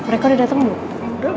rekam udah dateng belum